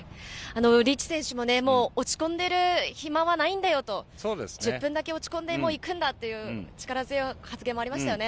リーチ選手もね、落ち込んでる暇はないんだよと、１０分だけ落ち込んで、もういくんだっていう力強い発言もありましたよね。